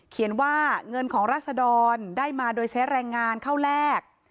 เขียนว่าเงินของราศดรได้มาโดยใช้แรงงานเข้าแลก